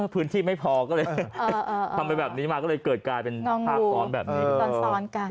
พื้นที่ไม่พอก็เลยทำไปแบบนี้มาก็เลยเกิดกลายเป็นภาพซ้อนแบบนี้ซ้อนกัน